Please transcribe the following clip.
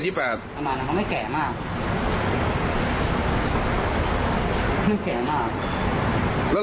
อ๋อคงทีผมช่วยด้วยกับบางชะโหล